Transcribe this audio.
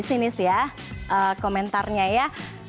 sinis ya komentarnya ya